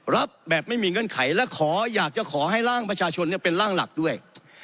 รับแบบไม่มีเงื่อนไขและขออยากจะขอให้ร่างประชาชนเป็นร่างหลักด้วย